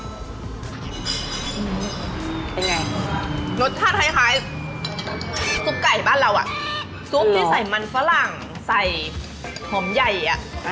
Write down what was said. เป็นไงรสชาติคล้ายซุปไก่บ้านเราอ่ะซุปที่ใส่มันฝรั่งใส่หอมใหญ่อ่ะ